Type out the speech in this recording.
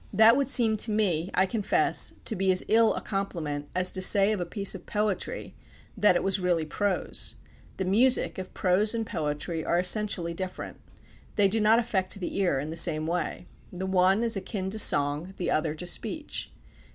That would seem to me, I confess, to be as ill a compliment as to say of a piece of poetry that it was really prose. The music of prose and of poetry are essentially different. They do not affect the ear in the same way. The one is akin to song, the other to speech.